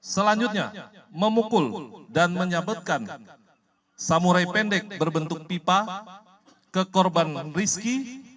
selanjutnya memukul dan menyabetkan samurai pendek berbentuk pipa ke korban rizki